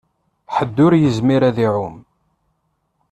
Ḥedd ur yezmir ad iɛum.